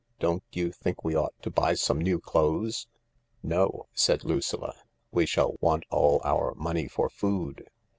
Don't you think we ought to buy some new clothes ?" "No," said Lucilla, "we shall want all our money for food.